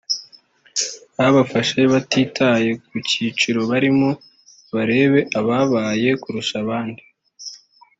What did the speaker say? Babafashe batitaye ku cyiciro barimo barebe ababaye kurusha abandi